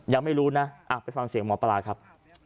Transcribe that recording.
ยังไม่รู้นะไปฟังเสียงหมอปลาครับ